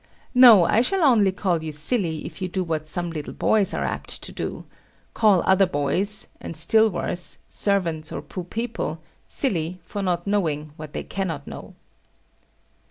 No, I shall only call you silly if you do what some little boys are apt to do call other boys, and, still worse, servants or poor people, silly for not knowing what they cannot know.